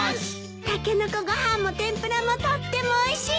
たけのこご飯も天ぷらもとってもおいしいわ。